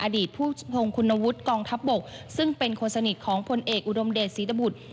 อดีตผู้พงศคุณวุฒิกองทัพบกซึ่งเป็นคนสนิทของพลเอกอุดมเดชศรีตบุตร